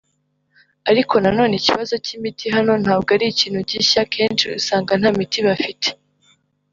ariko nanone ikibazo cy’imiti hano ntabwo ari ikintu gishya kenshi usanga nta miti bafite